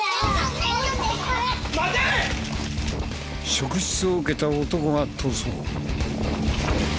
職質を受けた男が逃走。